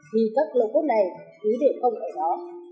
vì các lô cốt này cứ để không ở đó